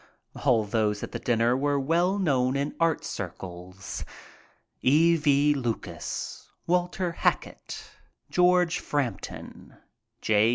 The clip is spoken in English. All those at the dinner were well known in art circles — E. V. Lucas, Walter Hackett, George Frampton, J.